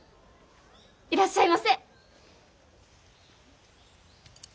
いらっしゃいませ！